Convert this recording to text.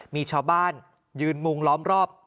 มีชาวบ้านยืนมุงล้อมรอบ